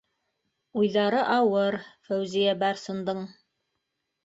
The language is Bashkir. Уйҙары ауыр Фәүзиә-Барсындың.